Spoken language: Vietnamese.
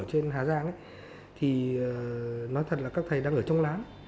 bên hà giang nói thật là các thầy đang ở trong láng